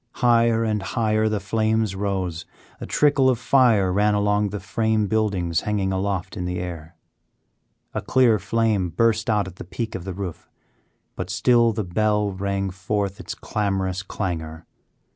Higher and higher the flames rose; a trickle of fire ran along the frame buildings hanging aloft in the air. A clear flame burst out at the peak of the roof, but still the bell rang forth its clamorous clangor.